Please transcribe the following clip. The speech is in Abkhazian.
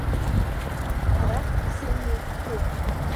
Арахьтәи сымҩа шәҭуп.